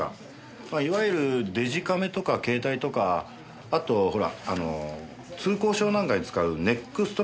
まあいわゆるデジカメとか携帯とかあとほら通行証なんかに使うネックストラップだね。